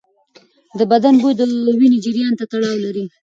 د بدن بوی د وینې جریان ته تړاو لري.